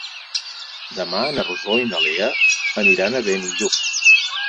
Demà na Rosó i na Lea aniran a Benillup.